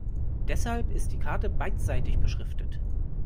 Deshalb ist die Karte beidseitig beschriftet.